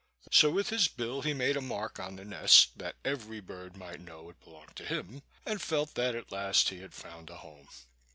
So with his bill he made a mark on the nest, that every bird might know it belonged to him, and felt that at last he had found a home.